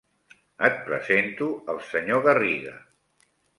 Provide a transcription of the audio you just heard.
Et presento el senyor Garriga.